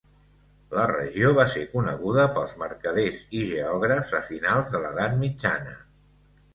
La regió va ser coneguda pels mercaders i geògrafs a finals de l'edat mitjana.